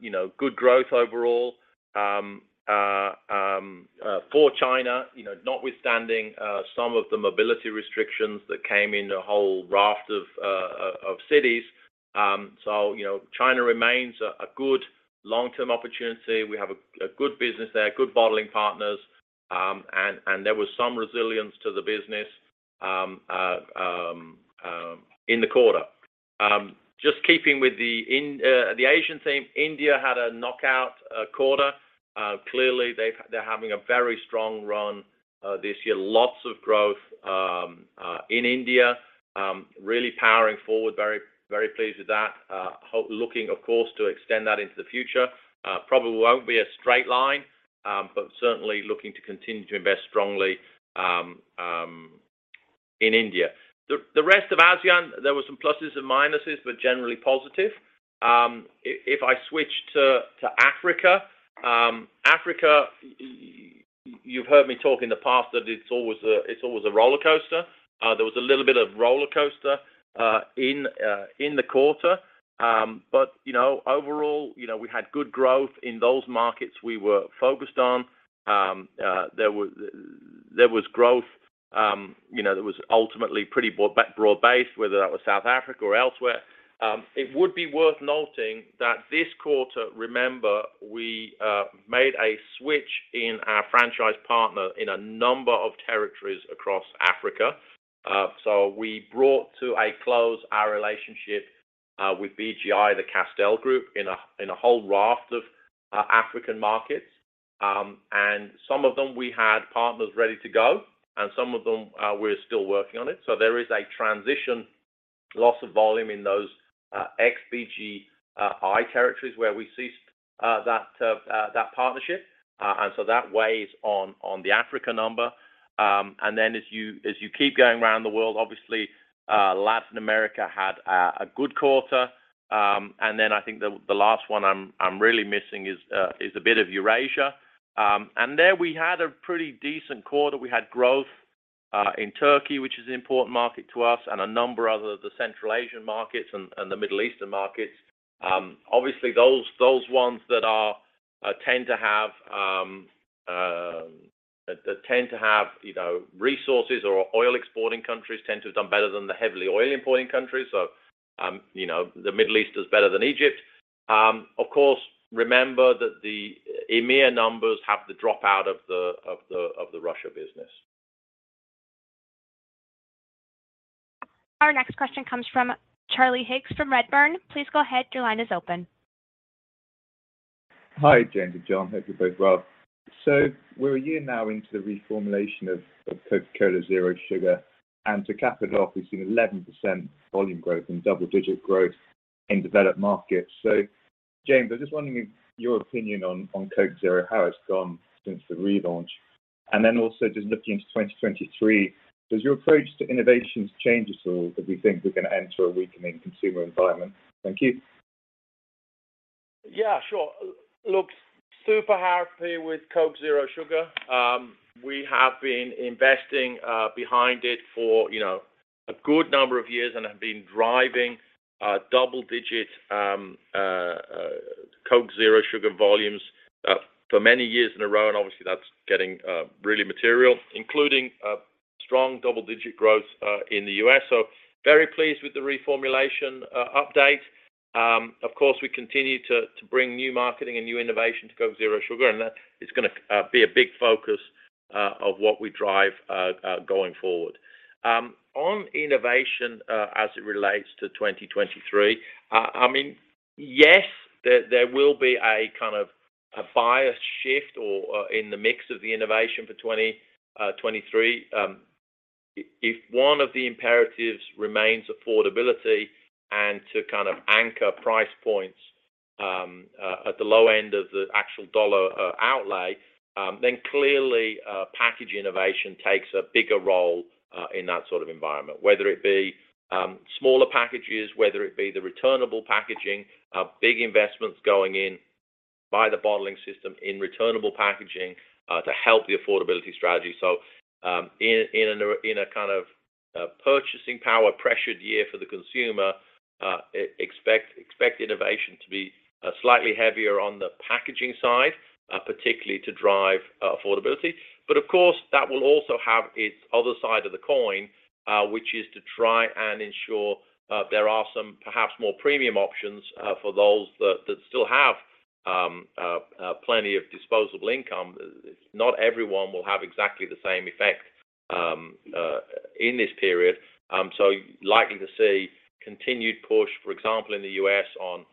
you know good growth overall for China, you know, notwithstanding some of the mobility restrictions that came in a whole raft of cities. You know, China remains a good long-term opportunity. We have a good business there, good bottling partners, and there was some resilience to the business in the quarter. Just keeping with the Asian theme, India had a knockout quarter. Clearly, they're having a very strong run this year. Lots of growth in India, really powering forward. Very pleased with that. Looking of course to extend that into the future. Probably won't be a straight line, but certainly looking to continue to invest strongly in India. The rest of ASEAN, there were some pluses and minuses, but generally positive. If I switch to Africa, you've heard me talk in the past that it's always a roller coaster. There was a little bit of roller coaster in the quarter. You know, overall, you know, we had good growth in those markets we were focused on. There was growth, you know, that was ultimately pretty broad-based, whether that was South Africa or elsewhere. It would be worth noting that this quarter, remember, we made a switch in our franchise partner in a number of territories across Africa. We brought to a close our relationship with BGI, the Castel Group, in a whole raft of African markets. Some of them we had partners ready to go, and some of them we're still working on it. There is a transition loss of volume in those ex-BGI territories where we ceased that partnership. That weighs on the Africa number. Then as you keep going around the world, obviously, Latin America had a good quarter. I think the last one I'm really missing is a bit of Eurasia. There we had a pretty decent quarter. We had growth in Turkey, which is an important market to us, and a number of other Central Asian markets and the Middle Eastern markets. Obviously, those ones that tend to have, you know, resources or are oil-exporting countries tend to have done better than the heavily oil-importing countries. You know, the Middle East is better than Egypt. Of course, remember that the EMEA numbers have the drop out of the Russia business. Our next question comes from Charlie Higgs from Redburn. Please go ahead. Your line is open. Hi, James and John. Hope you're both well. We're a year now into the reformulation of Coca-Cola Zero Sugar, and to cap it off, we've seen 11% volume growth and double-digit growth in developed markets. James, I'm just wondering your opinion on Coke Zero, how it's gone since the relaunch? Then also just looking into 2023, does your approach to innovations change at all as we think we're gonna enter a weakening consumer environment? Thank you. Yeah, sure. Look, super happy with Coke Zero Sugar. We have been investing behind it for, you know, a good number of years and have been driving double-digit Coke Zero Sugar volumes for many years in a row. Obviously that's getting really material, including strong double-digit growth in the U.S. Very pleased with the reformulation update. Of course, we continue to bring new marketing and new innovation to Coke Zero Sugar, and that is gonna be a big focus of what we drive going forward. On innovation, as it relates to 2023, I mean, yes, there will be a kind of a bias shift or in the mix of the innovation for 2023. If one of the imperatives remains affordability and to kind of anchor price points at the low end of the actual dollar outlay, then clearly package innovation takes a bigger role in that sort of environment. Whether it be smaller packages, whether it be the returnable packaging, big investments going in by the bottling system in returnable packaging to help the affordability strategy. In a kind of purchasing power pressured year for the consumer, expect innovation to be slightly heavier on the packaging side, particularly to drive affordability. Of course, that will also have its other side of the coin, which is to try and ensure there are some perhaps more premium options for those that still have plenty of disposable income. Not everyone will have exactly the same effect in this period. Likely to see continued push, for example, in the US on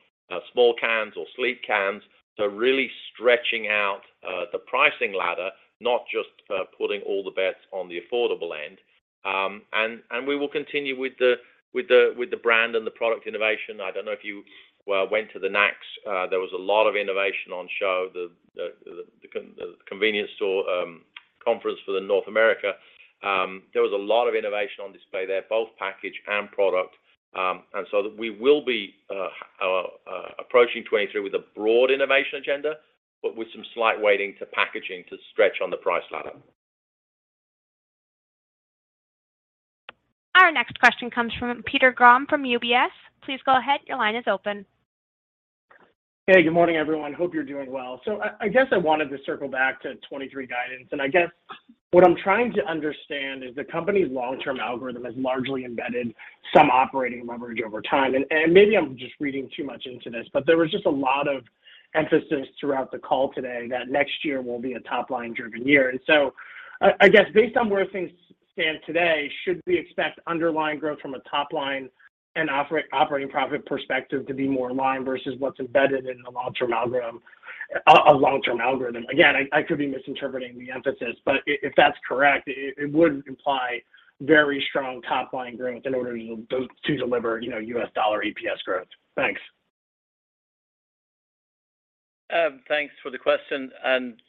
small cans or sleek cans. Really stretching out the pricing ladder, not just putting all the bets on the affordable end. We will continue with the brand and the product innovation. I don't know if you went to the NACS. There was a lot of innovation on show. The convenience store conference for North America. There was a lot of innovation on display there, both packaging and product. We will be approaching 2023 with a broad innovation agenda, but with some slight weighting to packaging to stretch on the price ladder. Our next question comes from Peter Grom from UBS. Please go ahead. Your line is open. Hey, good morning, everyone. Hope you're doing well. I guess I wanted to circle back to 2023 guidance. I guess what I'm trying to understand is the company's long-term algorithm has largely embedded some operating leverage over time. Maybe I'm just reading too much into this, but there was just a lot of emphasis throughout the call today that next year will be a top-line driven year. I guess based on where things stand today, should we expect underlying growth from a top line and operating profit perspective to be more in line versus what's embedded in a long-term algorithm, a long-term algorithm? Again, I could be misinterpreting the emphasis, but if that's correct, it would imply very strong top-line growth in order to deliver, you know, U.S. dollar EPS growth. Thanks. Thanks for the question.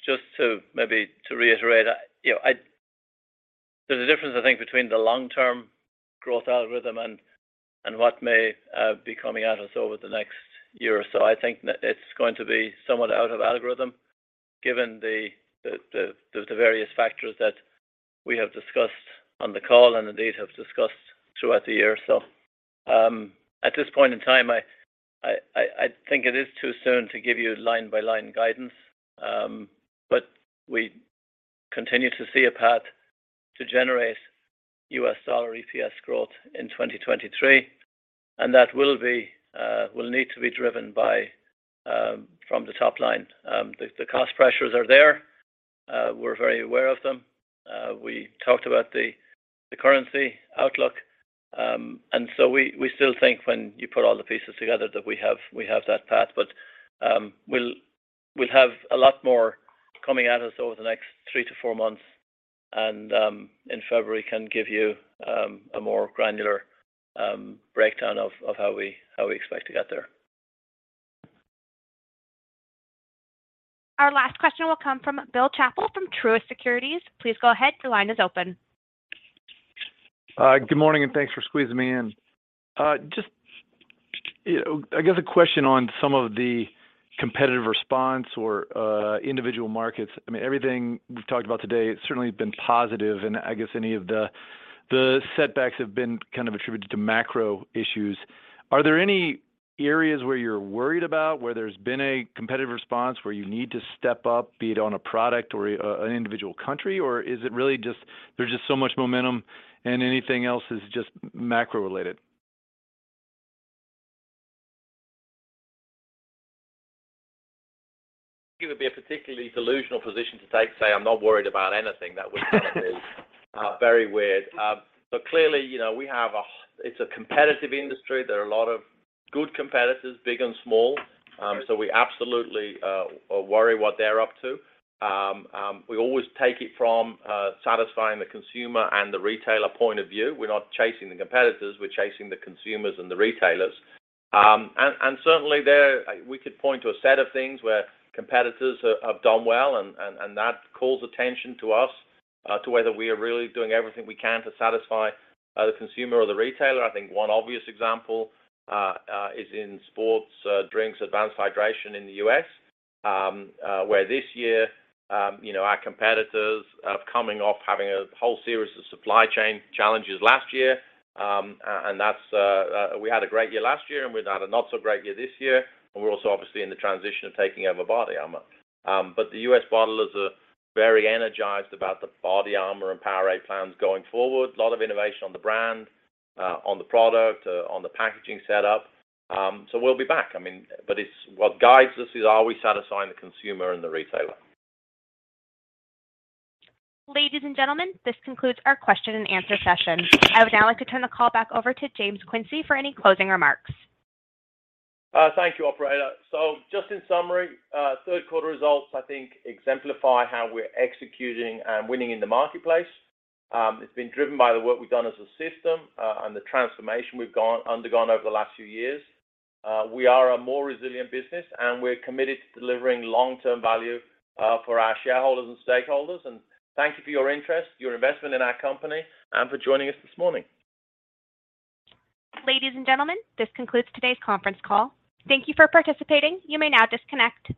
Just to maybe reiterate, you know, there's a difference, I think, between the long-term growth algorithm and what may be coming at us over the next year or so. I think that it's going to be somewhat out of algorithm given the various factors that we have discussed on the call and indeed have discussed throughout the year. At this point in time, I think it is too soon to give you line by line guidance. We continue to see a path to generate U.S. dollar EPS growth in 2023. That will need to be driven by from the top line. The cost pressures are there. We're very aware of them. We talked about the currency outlook. We still think when you put all the pieces together that we have that path, but we'll have a lot more coming at us over the next 3-4 months, and in February can give you a more granular breakdown of how we expect to get there. Our last question will come from Bill Chappell from Truist Securities. Please go ahead. Your line is open. Good morning, and thanks for squeezing me in. Just, you know, I guess a question on some of the competitive response or individual markets. I mean, everything we've talked about today has certainly been positive, and I guess any of the setbacks have been kind of attributed to macro issues. Are there any areas where you're worried about where there's been a competitive response where you need to step up, be it on a product or an individual country? Or is it really just there's so much momentum and anything else is just macro-related? It would be a particularly delusional position to take to say I'm not worried about anything. That would kind of be very weird. Clearly, you know, it's a competitive industry. There are a lot of good competitors, big and small. We absolutely worry what they're up to. We always take it from satisfying the consumer and the retailer point of view. We're not chasing the competitors, we're chasing the consumers and the retailers. Certainly there we could point to a set of things where competitors have done well and that calls attention to us, to whether we are really doing everything we can to satisfy the consumer or the retailer. I think one obvious example is in sports drinks, advanced hydration in the U.S., where this year, you know, our competitors are coming off having a whole series of supply chain challenges last year. We had a great year last year, and we've had a not so great year this year, and we're also obviously in the transition of taking over BODYARMOR. The U.S. bottlers are very energized about the BODYARMOR and POWERADE plans going forward. A lot of innovation on the brand, on the product, on the packaging setup. We'll be back. I mean, what guides us is, are we satisfying the consumer and the retailer? Ladies and gentlemen, this concludes our question and answer session. I would now like to turn the call back over to James Quincey for any closing remarks. Thank you, operator. Just in summary, third quarter results I think exemplify how we're executing and winning in the marketplace. It's been driven by the work we've done as a system, and the transformation we've undergone over the last few years. We are a more resilient business, and we're committed to delivering long-term value for our shareholders and stakeholders. Thank you for your interest, your investment in our company, and for joining us this morning. Ladies and gentlemen, this concludes today's conference call. Thank you for participating. You may now disconnect.